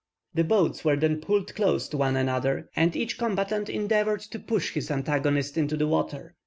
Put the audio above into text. The boats were then pulled close to one another, and each combatant endeavoured to push his antagonist into the water.